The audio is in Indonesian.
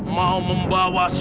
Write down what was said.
mau membawa aku ke sana